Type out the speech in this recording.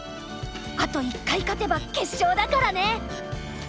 あと１回勝てば決勝だからね。